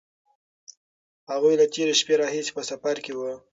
هغوی له تېرې شپې راهیسې په سفر کې وو.